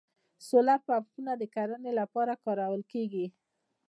سولر پمپونه د کرنې لپاره کارول کیږي